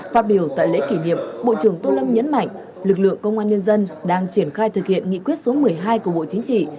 phát biểu tại lễ kỷ niệm bộ trưởng tô lâm nhấn mạnh lực lượng công an nhân dân đang triển khai thực hiện nghị quyết số một mươi hai của bộ chính trị